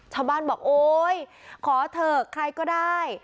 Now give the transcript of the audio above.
ชาวบ้านบอกโอ๊ยขอเถอะใครก็ได้